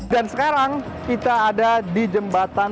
sekarang kita ada di jembatan